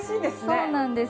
そうなんです。